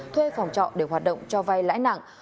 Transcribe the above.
thuê phòng trọ để hoạt động cho vay lãi nặng